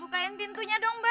bukain pintunya dong ma